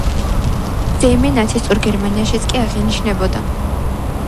ზეიმი ნაცისტურ გერმანიაშიც კი აღინიშნებოდა.